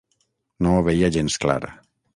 No ho veia gens clar.